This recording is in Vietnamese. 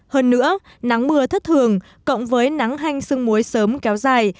hơn nữa nắng mưa thất thường cộng với nắng hanh xương muối sớm kéo dài